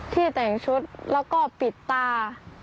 ที่แต่งชุดแล้วก็ปิดตา